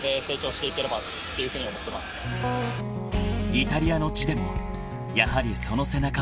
［イタリアの地でもやはりその背中は大きかった］